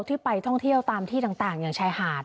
ที่ไปท่องเที่ยวตามที่ต่างอย่างชายหาด